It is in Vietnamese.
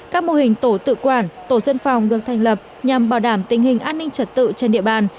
các mô hình tổ tự quản tổ dân phòng được thành lập nhằm bảo đảm tình hình an ninh trật tự trên địa bàn